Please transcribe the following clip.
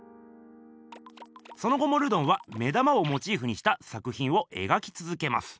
その後もルドンは目玉をモチーフにした作ひんを描きつづけます。